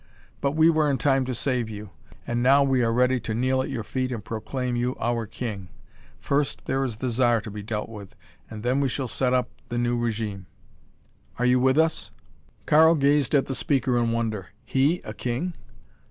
But we were in time to save you, and now we are ready to kneel at your feet and proclaim you our king. First there is the Zar to be dealt with and then we shall set up the new regime. Are you with us?" Karl gazed at the speaker in wonder. He a king?